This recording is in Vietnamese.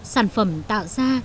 sản phẩm tạo ra